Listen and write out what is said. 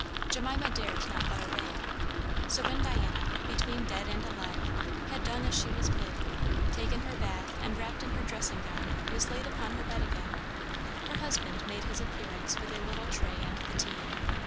Jemima dared not but obey. So when Diana, between dead and alive, had done as she was bid, taken her bath, and wrapped in her dressing gown was laid upon her bed again, her husband made his appearance with a little tray and the tea.